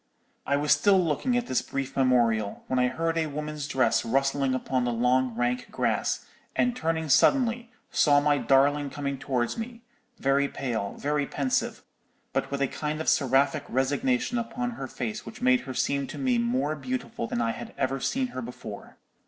'_ "I was still looking at this brief memorial, when I heard a woman's dress rustling upon the long rank grass, and turning suddenly, saw my darling coming towards me, very pale, very pensive, but with a kind of seraphic resignation upon her face which made her seem to me more beautiful than I had ever seen her before.